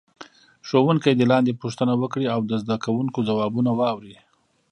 ښوونکی دې لاندې پوښتنه وکړي او د زده کوونکو ځوابونه واوري.